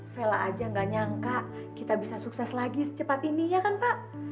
vela aja gak nyangka kita bisa sukses lagi secepat ininya kan pak